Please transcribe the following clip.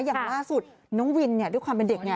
อย่างล่าสุดน้องวินด้วยความเป็นเด็กไง